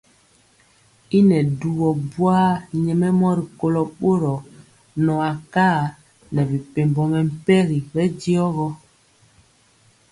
Y nɛ dubɔ nɛ buar nyɛmemɔ rikolo boro nɔ akar nɛ mepempɔ mɛmpegi bɛndiɔ gɔ.